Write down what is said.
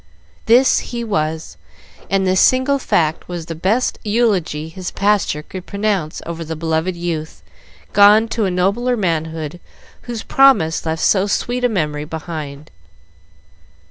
This he was, and this single fact was the best eulogy his pastor could pronounce over the beloved youth gone to a nobler manhood whose promise left so sweet a memory behind.